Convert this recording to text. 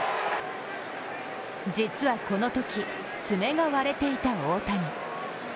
実はこのとき、爪が割れていた大谷。